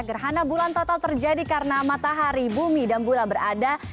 gerhana bulan total terjadi karena matahari bumi dan bulan berada